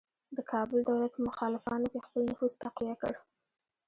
د کابل دولت په مخالفانو کې خپل نفوذ تقویه کړ.